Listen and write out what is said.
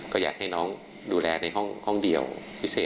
ก็อยากให้น้องดูแลในห้องเดียวพิเศษ